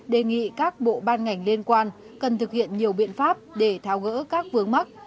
đề nghị các bộ ban ngành liên quan cần thực hiện nhiều biện pháp để thao ngỡ các vướng mắc